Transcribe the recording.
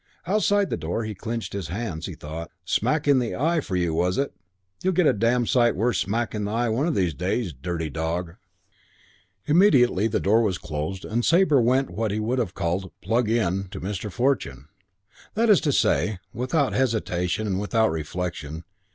Outside the door he clenched his hands. He thought, "Smack in the eye for you, was it? You'll get a damn sight worse smack in the eye one of these days. Dirty dog!" IV Immediately the door was closed Sabre went what he would have called "plug in" to Mr. Fortune; that is to say, without hesitation and without reflection.